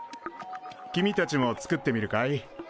君たちも作ってみるかい？